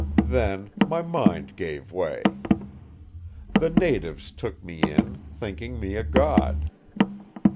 Then my mind gave way. "The natives took me in, thinking me a god.